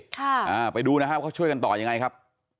ค่ะอ่าไปดูนะครับเขาช่วยกันต่อยังไงครับ